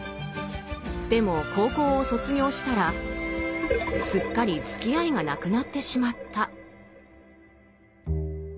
でも高校を卒業したらすっかりつきあいがなくなってしまった。